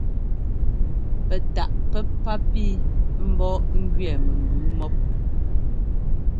Pɛ taʼ pɛ́pá pii mbɔ́ ɛ́njʉɛ mɛ mbʉʉ mɔ́p.